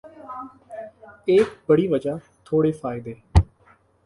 ایک بڑِی وجہ تھوڑے فائدے